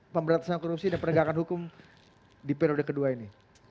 pemberantasan korupsi dan penegakan hukum di periode kedua ini